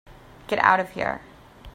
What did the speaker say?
Get out of here.